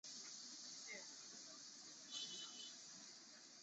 立柱上方为希腊式三角屋顶浮雕。